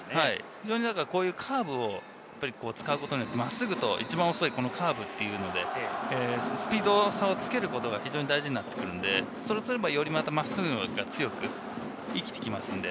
こういうカーブを使うことによって、真っすぐと、一番遅いカーブというので、スピードの差をつけることが非常に大事になってくるんで、より真っすぐが強く生きてきますんで。